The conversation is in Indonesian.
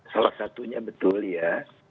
salah satunya betul ya